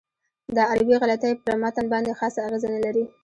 دا عربي غلطۍ پر متن باندې خاصه اغېزه نه لري.